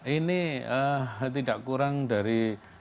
ini tidak kurang dari